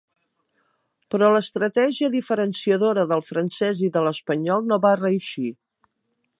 Però l'estratègia diferenciadora del francès i de l'espanyol no va reeixir.